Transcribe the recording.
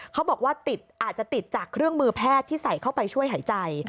เขาบอกว่าอาจจะติดจากเครื่องมือแพทย์ที่ใส่เข้าไปช่วยหายใจ